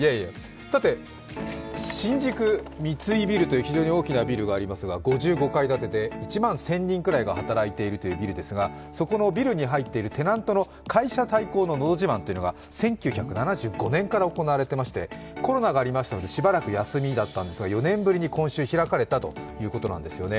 さて、新宿三井ビルという非常に大きなビルがありますが５５階建てで１万１０００人くらいが働いているというビルですがそこのビルに入っているテナントの会社対抗ののど自慢が１９９５年から行われていましてコロナがありましたのでしばらく休みだったのですが４年ぶりに今週開かれたということなんですよね。